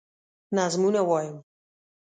نظمونه وايم